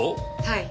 はい。